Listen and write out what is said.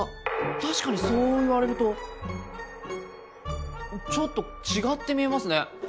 確かにそう言われるとちょっと違って見えますね。